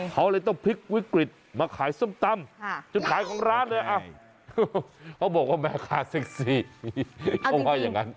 เขาเลยต้องพลิกวิกฤตมาขายส้มตำจุดขายของร้านเลยเขาบอกว่าแม่ค้าเซ็กซี่เขาว่าอย่างนั้น